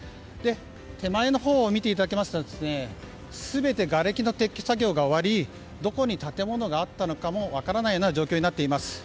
手前のほうを見ていただきますと全てがれきの撤去作業が終わりどこに建物があったのかも分からない状況になっています。